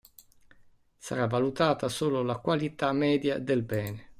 Sarà valutata solo la qualità media del bene.